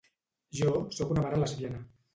Jo soc una mare lesbiana.